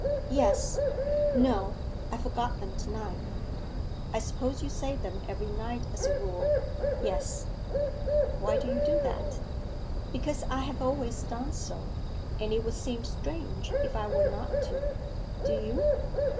'Yes no! I forgot them to night.' 'I suppose you say them every night as a rule?' 'Yes.' 'Why do you do that?' 'Because I have always done so, and it would seem strange if I were not to. Do you?